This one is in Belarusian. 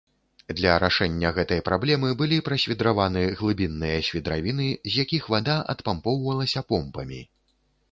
Для рашэння гэтай праблемы былі прасвідраваны глыбінныя свідравіны, з якіх вада адпампоўвалася помпамі.